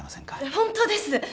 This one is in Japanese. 本当です